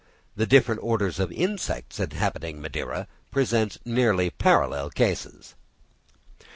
The different orders of insects inhabiting Madeira present nearly parallel cases.